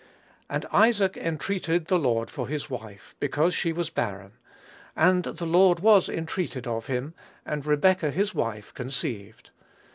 "And Isaac entreated the Lord for his wife, because she was barren; and the Lord was entreated of him, and Rebekah his wife conceived.